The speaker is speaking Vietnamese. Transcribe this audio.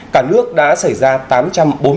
cả nước đã xảy ra bốn vụ cháy